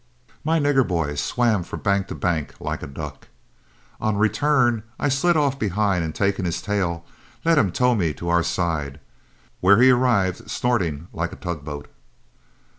My Nigger Boy swam from bank to bank like a duck. On the return I slid off behind, and taking his tail, let him tow me to our own side, where he arrived snorting like a tugboat.